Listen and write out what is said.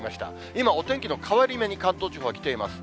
今、お天気の変わり目に関東地方はきています。